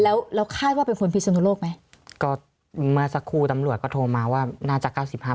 แล้วเราคาดว่าเป็นคนพิษณุโลกไหมก็เมื่อสักครู่ตำรวจก็โทรมาว่าน่าจะ๙๕